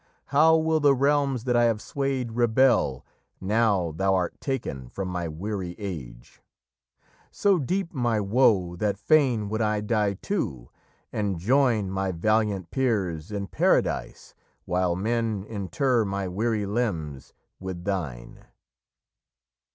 How will the realms that I have swayed rebel, Now thou art taken from my weary age! So deep my woe that fain would I die too And join my valiant Peers in Paradise, While men inter my weary limbs with thine!'"